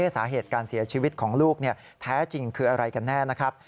สาเหตุการเสียชีวิตของลูกแท้จริงคืออะไรกันแน่นะครับ